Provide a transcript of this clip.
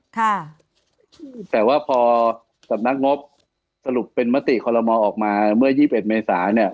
แต่ว่าพอสำนักงบสรุปเป็นมติคลมอออกมาเมื่อ๒๑เมษาเนี่ย